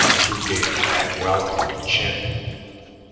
"Who gave you that welt on the chin?"